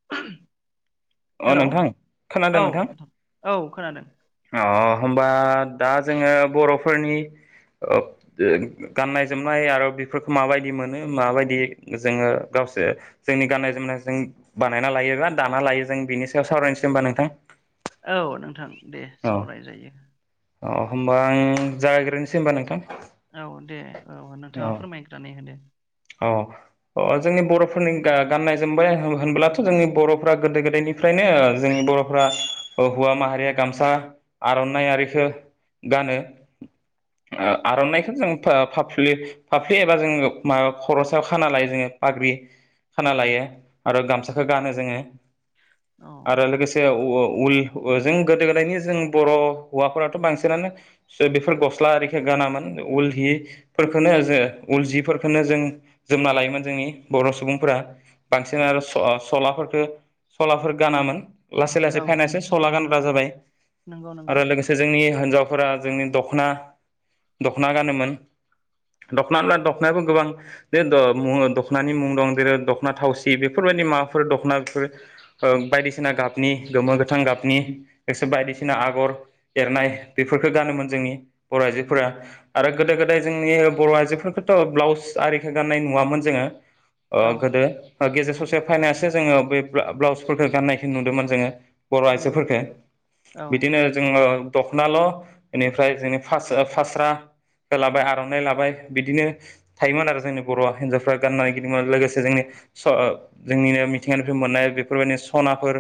[inaudible] अ hello नोंथां औ खोनादों नोंथां औ खोनादों अ होमबा दा जोङो बर'फोरनि गाननाय जोमनाय आरो बेफोरखौ माबायदि मोनो माबायदि जोङो गावसोर जोंनि गाननाय जोमनायजों बानायना लायोबा दाना लायो जों बिनि सायाव सावरायनोसै होनबा नोंथां। औ नोंथां दे औ सावराय जायो। अ होमबा आं जागायग्रोनोसै होनबा नोंथां। औ दे औ नोंथाङा फोरमायग्रानै हो दे। अ अ जोंनि बर'फोरनि गा-गाननाय जोमबाय होमब्लाथ' जोंनि बर'फ्रा गोदो गोदायनिफ्रायनो जोंनि बर'फ्रा हौवा माहारिया गामसा आर'नाइ आरिखो गानो आर'नाइखौ जों फा फाफ्लि फाफ्लि एबा जोङो मा खर' सायाव खाना लायो जोङो फाग्रि खाना लायो आरो गामसाखो गानो जोङो। औ आरो लोगोसे औ उल जों गोदो गोदायनि जों बर' हौवाफोराथ' बांसिनानो बेफोर गस्ला आरिखो गानामोन उल हिफोरखौनो जो उल जिफोर खोनो जों जोमना लायोमोन जोंनि बर' सुबुंफोरा बांसिन आरो स सलाफोरखौ सलाफोर गानामोन। लासै लासै औ फैयनासो सला औ गानग्रा जाबाय नंगौ नंगौ आरो लोगोसे जोंनि होनजाव फोरा जोंनि दख'ना दख'ना गानोमोन दख'ना [unintelligible] नाखौ गोबां बे द मु दख'नानि मुं दं जेरै दख'ना थावसि बेफोरबायदि माबाफोर दख'ना बेफोर ओ बायदिसिना गाबनि गोमो गोथां गाबनि एसो बायदिसिना आगर एरनाय बेफोरफोरखौ गानोमोन जोंनि बर' आइजोफोरा आरो गोदो गोदाय जोंनि बर' आइजोफोरखो थ' ब्लाउस आरिखो गाननाय नुवामोन जोङो अ औ गोदो गेजेर ससे फायनासो जोङो बै ब्ला ब्लाउसफोरखौ गाननायखौ नुदोंमोन जोङो। बर' नंगौ आइजोफोरखौ नंगौ औ बिदिनो जोङो। दख'नाल' बेनिफ्राय जोंनि फास फास्रा खो लाबाय आर'नाइ लाबाय बिदिनो। थायोमोन आरो जोंनि बर' हिनजावफोर गाननाय गिदोमोन लोगोसे जोंनि स अ जोंनिनो मिथिंगानिफ्राय मोननाय बेफोरबायदिनो सनाफोर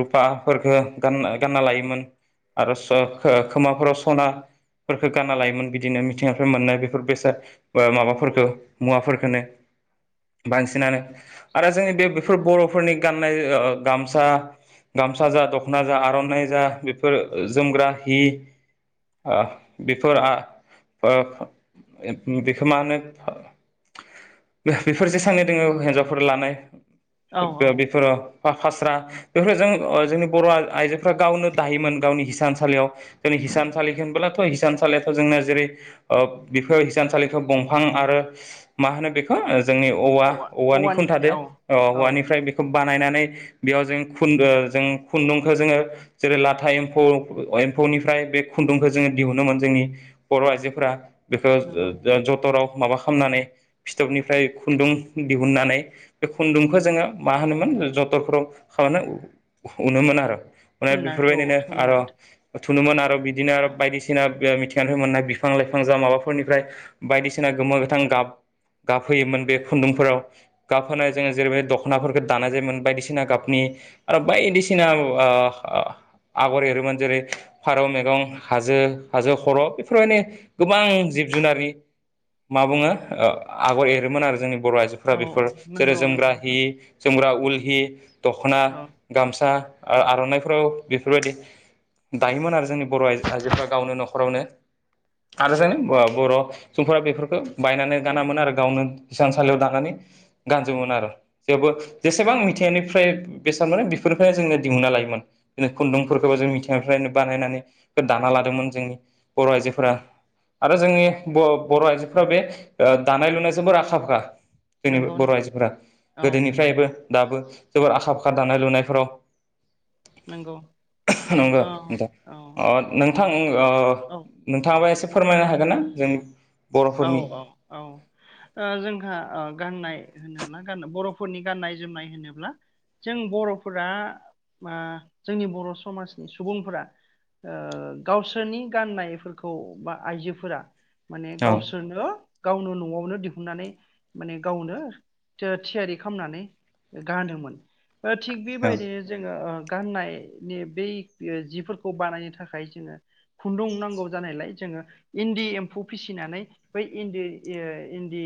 रुफा‌ फोरखो गान गानना लायोमोन आरो स खो खोमाफोराव सनाफोरखौ गानना लायोमोन बिदिनो मिथिंगाखो मोननाय बेफोर बेसाद ओ माबाफोरखो मुवाफोरखौनो बांसिनानो आरो जोंनि बे बेफोर बर'फोरनि गाननाय ओ गामसा गामसा जा दख'ना जा आर'नाइ जा बेफोर जोमग्रा हि आ बेफोर आ ओ खोमानो फा बिफोर जेसांनो दोङो हिन्जावफोर लानाय औ औ बे बेफोरो फास्रा बेफोर जों नंगौ ओ जोंनि बर' आ आइजोफ्रा गावनो दायोमोन गावनि हिस हिसानसालियाव जोंनि हिसानसालि होनब्लाथ हिसानसालियाथ' जोंनो जेरै ओ बिफोर हिसानसालि खो बंफां आरो मा होनो बेखो जोंनि औवा औवानि औवानिफ्राय खुनथादो औ ओ औ औवानिफ्राय बेखौ बानायनानै बेयाव जों खुन ओ जों खुन्दुंखौ जोङो जेरै लाथा एम्फौ एम्फौनिफ्राय बे खुन्दुंखौ जोङो दिहुनोमोन जोंनि बर' आइजोफोरा। बेखो नंगौ ओ टराव माबा खामनानै फिथोबनिफ्राय खुन्दुं दिहुननानै बे खुन्दुंखौ जोङो मा होनोमोन जथरफोराव खालामनो उनोमोन आरो। माने थुनना औ बेफोरबायदिनो आर थुनोमोन थुनोमोन आरो बि दिनो आरो औ बायदिसिना [unintelligible] मोननाय बिफां लाइफां जा माबाफोरनिफ्राय बायदिसिना गोमो गोथां गाब गाबहोयोमोन बे खुन्दुंफोराव गाबहोनाय जोङो जेरैबायदि दख'नाफोरखौ दानाय जायोमोन बायदिसिना गाबनि आरो बायदिसिना [unintelligible] आगर एरोमोन जेरै फारौ मैगं हाजो हाजो खर' बेफोरबायदि गोबां जिब जुनारनि मा बुङो ओ आगर एरोमोन आरो जोङो बर' आइजोफोरा औ बेफोर जेरै नंगौ जोमग्रा नंगौ हि जोमग्रा उल ही दख'ना औ गामसा आ-आर'नाइफोराव बेफोरबायदि दायोमोन आरो जोंनि बर' आइ आइजोफ्रा गावनो न'खरावनो आरो जों बर' सुबुंफोरा बेफोरखौ बायनानै गानामोन आरो गावनो इसानसा लियाव दानानै गानजोबोन आरो जेवबो जेसेबां मिथिंनिफ्राय बेसाद मोनो बेफोरनिफ्रायनो जोंनो दिहुना लायोमोन। बिदिनो खुन्दुंफोरखौबो जों मिथिंगनिफ्रायनो बानायनानै बे दाना लादोंमोन जोंनि बर' आइजोफोरा आरो जोंनि बर' आइजोफोरा बे दानाय लुनायजोंबो आखा फाखा जोंनि नंगौ बर' नंगौ आइजोफोरा औ गोदोनिफ्रायबो दाबो जोबोर आखा फाखा दानाय लुनायफोराव नंगौ नंगौ औ नोंथां औ ओ नोंथां ओ औ नोंथाङाबो एसे फोरमायनो हागोन ना? जों औ बर'फोरनि औ औ। जोंहा गाननाय होनोब्ला ग बर'फोरनि गाननाय जोमनाय होनोब्ला जों बर'फोरा ओ जोंनि बर' समाजनि सुबुंफोरा ओ गावसोरनि गाननायफोरखौ बा आइजोफोरा औ गावसोरनो गावनो न'आव गनो दिहुननानै माने गावनो थ-थियारि खालामनानै गानोमोन। थिग औ बेबायदिनो जोङो गाननायनि बै जिफोरखौ बानायनो थाखाय जोङो खुन्दुं नांगौ जानायलाय जोङो इन्दि एम्फौ फिसि फिनानै बै इन्दि ए इन्दि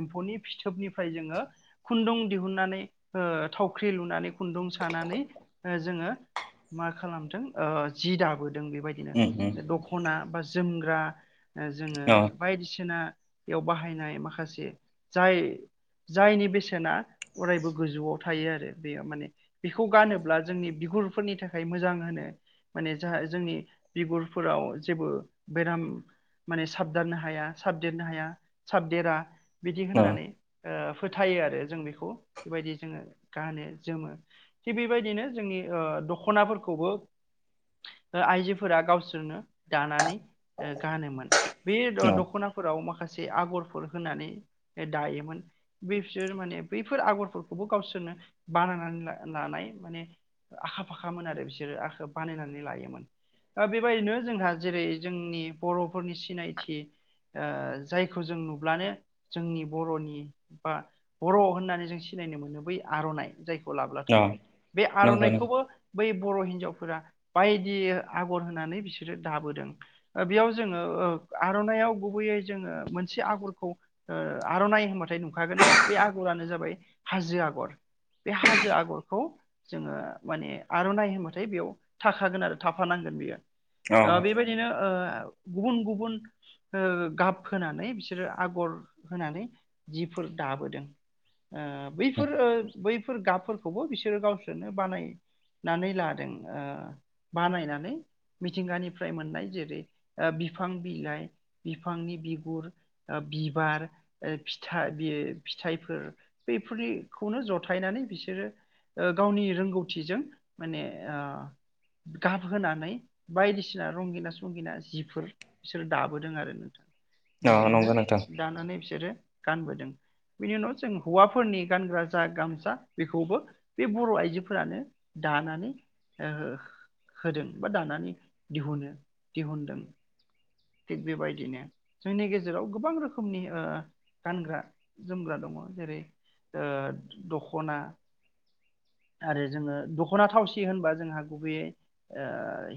एमफौनि फिथोबनिफ्राय जोङो खुन्दुं दिहुन नानै ओ थावख्रि लुनानै खुुंदुं सानानै जोंङो मा खालामदों जि दाबोदों। जों बेबायदिनो उम उम दखना बा जोमग्रा जोङो अ बायदिसिना बेयाव बाहायनाय माखासे जाय जायनि बेसेना अरायबो गोजौआव थायो आरो बेयो माने। बेखौ गानोब्ला जोंनि बिगुर फोरनि थाखाय मोजां होनो माने जाहा जोंनि बिगुरफोराव जेबो बेराम माने साबदारनो हाया साबदेरनो हाया साबदेरा। बिदि अ होननानै ओ फोथायो आरो जों बेखौ बेबायदि जोङो गानो जोमो थिग बेबायदिनो जोंनि दख'नाफोरखौबो आइजोफोरा गावसोरनो दानानै ओ गानोमोन। बे अ द-दख'नाफोराव माखासे आगरफोर होनानै दायोमोन बे बिसोर माने बैफोर आगरफोरखौबो गावसोरनो बानायनानै ला-लानाय माने आखा फाखामोन आरो बिसोरो आ बानायनानै लायोमोन अ बेबायदिनो जोंहा जेरै जोंनि बर' सिनायथि आ जायखौ जों नुब्लानो जोंनि बर'नि बा बर' होननानै जों सिनायनो मोनो। बै आर'इ नाय जाय अ लाब्लाथाय बे नंगौ नंगौ आर'नाइखौबो बै बर' हिनजावफोरा बायदि आगर होनानै बिसोरो दाबोदों बेयाव जोङो आर'नाइाव गुबैयै जोङो मोनसे आगरखौ आर'नाइ होनबाथाय नुखागोन बे आगरानो जाबाय हाजो आगर बे हाजो आगरखौ जोङो माने आर'नाइ होनबाथाय बेयाव थाखागोन आरो थाफानांगोन बेयो अ ओ बेबायदिनो ओ गुबुन गुबुन गाब ओ होनानै बिसोरो आगर होनानै जिफोर दाबोदों ओ अ बैफोर ओ बैफोर गाब खौबो बिसोरो गावसोरनो बानायनानै लादों ओ बानायनानै मिथिंगानिफ्राय मोननाय जेरै ओ बिफां बिलाइ बिफांनि बिगुर ओ बिबार ओ फिथा बे फिथाइफोर बेफोरखौनो जथायनानै बिसोरो ओ गावनि रोंगौथिजों माने आ गाबहोनानै बायदिसिना रंगिना संगिना जि फोर बिसोर दाबोदों आरो नोंथां बेजोंनो नंगौ नोंथां दानानै बिसोरो गानबोदों बेनि उनाव जों हौवाफोरनि गानग्रा जा गामसा बेखौबो बे बर आइजोफोरानो दानानै ओ होदों बा दानानै दिहुनो दिहुनदों थिग बेबायदिनो जोंनि गेजेराव गोबां रोखोमनि ओ गानग्रा जोमग्रा दङ जेरै ओ दखना आरो जोङो दखना थावसि होनबा जोंहा गुबैयै ओ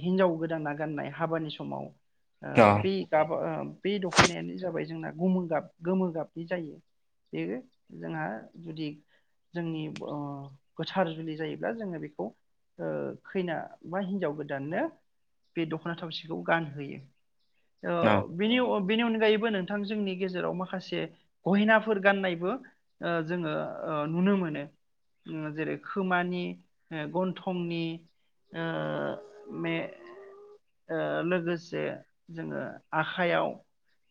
हिनजाव गोदाना गाननाय हाबानि समाव ओ अ बे गाबा बे दखनायानो जाबाय जोंना गोमो गाब गोमो गाबनि जायो बे जोंहा जुदि जोंनि ओ गोथार जुलि जायोब्ला जोङो बेखौ ओ खैना बा हिनजाव गोदाननो बे दखना थावसिखौ गानहोयो ओ अ बिनि बेनि अनगायैबो नोंथां जोंनि गेजेराव माखासे गहेनाफोर गाननायबो ओ जोङो ओ नुनो मोनो ओ जेरै खोमानि ओ गन्थंनि ओ मे ओ लोगोसे जोङो आखायाव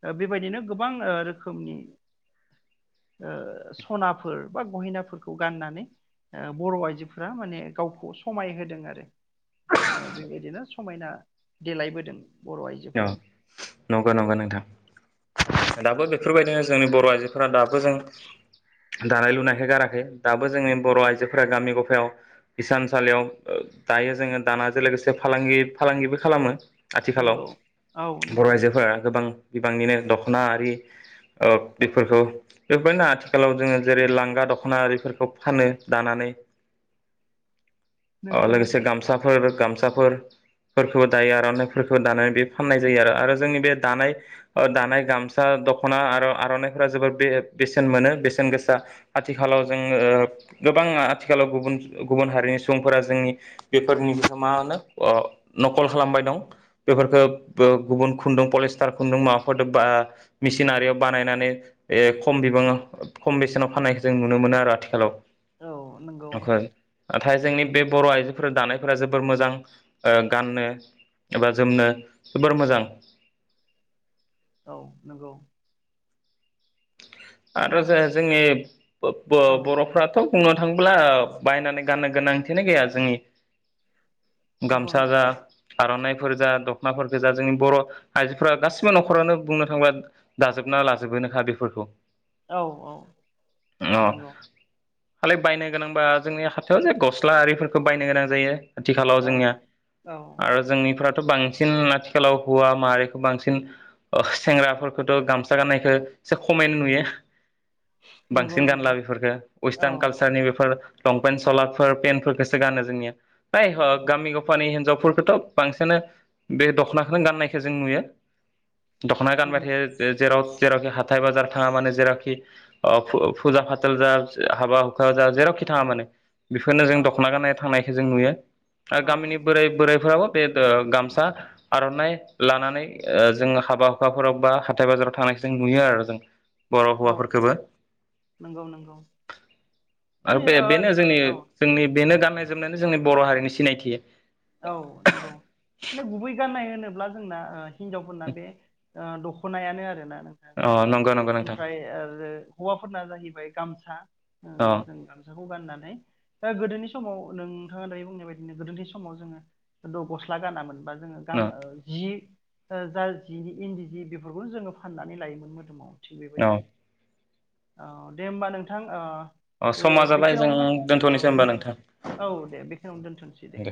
ओ बेबायदिनो गोबां ओ रोखोमनि ओ सनाफोर बा गहिनाफोरखौ गाननानै ओ बर आइजोफोरा माने गावखौ समाय होदों आरो ओ बेबायदिनो समायना देलायबोदों बर आइजो अ नंगौ नंगौ नोंथां औ दाबो बेफोरबायदिनो जोंनि बर आइजोफोरा दाबो जों दानाय लुनायखौ गाराखै दाबो जोंनि बर आइजोफोरा गामि गफायाव हिसानसालियाव दायो जोङो दानाजों लोगोसे फालांगि फालांगिबो खालामो आथिखालाव नंगौ औ बर' नंगौ आइजोफोरा गोबां बिबांनिनो दखना आरि ओ बेफोरखौ बेफोरनो आथिखालाव जोङो जेरै लांगा दखना आरिफोरखौ फानो दानानै अ नंगौ लोगोसे गामसा फोर गामसाफोरफोरखौबो दायो आरनाइफोरखौ दानानै बे फाननाय जायो आरो आरो जोंनि बे दानाय ओ दानाय गामसा दखना आरो आरनाइफोरा जोबोर बे बेसेन मोनो बेसेन गोसा आथिखालाव जोङो ओ गोबां आथिखालाव गुबुन गुबुन हारिनि सुबुंफोरा जोंनि बेफोरनि मा होनो ओ नखल खालामबाय दं बेफोरखो बो गुबुन खुन्दुं पलिस्टार खुन्दुं माबाफोरदो बा मिसिनारियाव बानायनानै ए खम बिबाङाव खम बेसेनाव फाननायखौ जों नुनो मोनो आरो आथिखालाव औ नंगौ [unintelligible] नाथाय जोंनि बे बर' आइजो फोर दानायफोरा जोबोर मोजां ओ गाननो एबा जोमनो जोबोर मोजां औ नंगौ ओ आरो जे जोंनि औ ब-बर' फ्राथ बुंनो थाङोब्ला ओ बायनानै गाननो गोनांथियानो गैया जोंनि नंगौ गामसा जा नंगौ आरनाइफोर जा दखनाफोरखौ जा जोंनि बर आइजोफोरा गासिबो नखरावनो बुंनो थांब्ला दाजोबना लाजोबोनोखा बेफोरखौ औ औ अ नंगौ खालि बायनो गोनांबा जोंनि हाथायावनो गस्ला आरिफोरखौ बायनो गोनां जायो। आथिखालाव औ जोंनिया औ आरो जोंनिफ्रा बांसिन आथिखालाव हौवा माहारिखौ बांसिन ओ सेंग्राफोरखौथ' गामसा गाननायखौ एसे खमैनो नुयो। नंगौ बांसिन नंगौ गानला बेफोरखो औ वेस्टार्न कालसारनि बेफोर लंपेन्ट सलाफोर पेेनफोरखोसो गानो जोंनिया। जाय हक गामि गफानि हिनजाव फोरखौथ' बांसिनानो बे दख'नाखोनो गाननायखौ जों नुयो। दखना नंगौ गानबाथाय जे जेराव जेरावखि हाथाय बाजार थाङा माने जेरावखि ओ फु-फुजा फाथोल जा हाबा हुखा जा जेरावखि थाङा मानो बेफोरनो जों औ दख'ना गाननाय थांनाय जों नुयो आरो औ गामिनि नंगौ बोराय नंगौ बोराइफोराबो बे दो गामसा आर'नाइ लानानै ओ जोङो हाबा हुखाफोराव बा हाथाय बाजाराव थांनायखौ जों नुयो आरो जों बर' औ हौवाफोरखोबो नंगौ नंगौ आरो माने बे ओ बेनो जोंनि औ जोंनि बेनो गान गाननाय जोमनायानो जोंनि बर' हारिनि सिनायथि। औ नोंगौ माने गुबै गाननाय होनो ब्ला जोंना ओ हिनजावफोरना बे ओ दख'नायानो आरो ना। अ औ नंगौ नंगौ नोंथां ओमफ्राय ओ आरो हौवाफोरना जाहैबाय गामसा औ अ नोंथां गामसा खौ गाननानै दा गोदोनि समाव नोंथाङा दायो बुंनाय बायदिनो गोदोनि समाव जोङो द' गस्ला गानामोन बा जोङो गाम ओ जि जा जा जिनि इन्दि जि बेफोरखौनो जोङो फाननानै लायोमोन मोदोमाव। थिग अ बेबायदिनो। औ दे होमबा नोंथां ओ अ ओ समा जाबाय जों बेखिनियावनो औ दोनथ'नोसै होमबा दोनथ' नोंथां औ दे बेखिनियावनो दोनथ'नोसै दे।